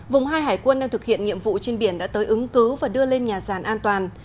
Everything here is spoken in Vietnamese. vùng hai hải quân đang thực hiện nhiệm vụ trên biển đã tới ứng cứu và đưa lên nhà sàn an toàn